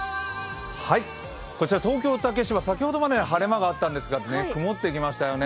こちら東京・竹芝、先ほどまで晴れ間があったんですが、曇ってきましたよね。